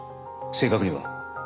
正確には？